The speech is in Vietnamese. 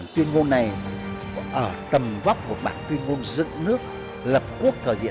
xin chào và hẹn gặp lại